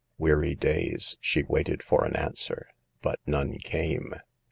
Weary days she waited for an answer, but none came.